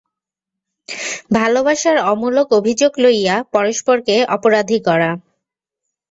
ভালোবাসার অমূলক অভিযোগ লইয়া পরস্পরকে অপরাধী করা।